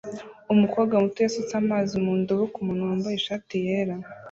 Umukobwa muto yasutse amazi mu ndobo kumuntu wambaye ishati yera